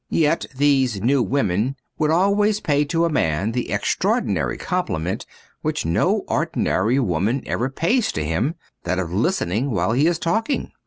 Yet these new women would always pay to a man the extraordinary compliment which no ordinary woman ever pays to him — that of listening while he is talking.